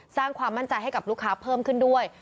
สร้างความมั่นใจให้กับลูกค้าเพิ่มขึ้นด้วย